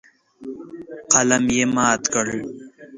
قلم یې مات کړ.